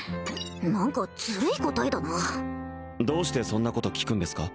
何かずるい答えだなどうしてそんなこと聞くんですか？